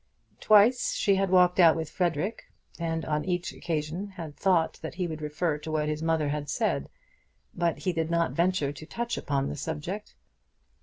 Twice she had walked out with Frederic, and on each occasion had thought that he would refer to what his mother had said; but he did not venture to touch upon the subject.